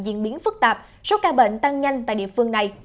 diễn biến phức tạp số ca bệnh tăng nhanh tại địa phương này